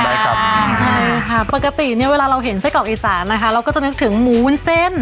ใช่ครับปกติเวลาเราเห็นใส่กรอกไอศาลเราก็นึกถึงหมูวุ้นเซ้น